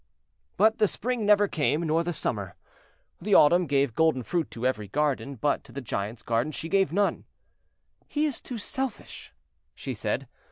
But the Spring never came, nor the Summer. The Autumn gave golden fruit to every garden, but to the Giant's garden she gave none. "He is too selfish," she said.